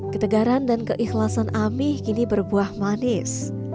ketegaran dan keikhlasan amih kini berbuah manis